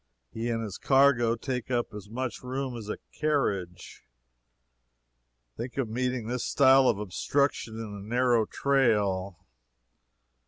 He and his cargo take up as much room as a carriage. Think of meeting this style of obstruction in a narrow trail.